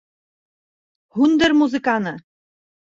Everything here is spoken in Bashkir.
Һүндер музыканы!